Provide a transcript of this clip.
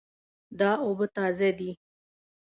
دا اوبه تازه دي